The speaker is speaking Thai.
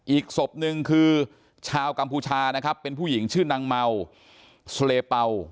อีกศพหนึ่งคือชาวกัมพูชานะครับเป็นผู้หญิงชื่อนางเมาสเลเป่า